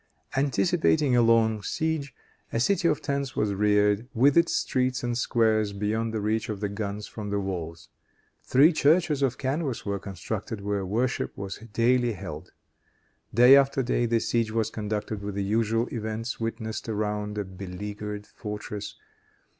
Anticipating a long siege, a city of tents was reared, with its streets and squares, beyond the reach of the guns from the walls. Three churches of canvas were constructed, where worship was daily held. Day after day, the siege was conducted with the usual events witnessed around a beleaguered fortress.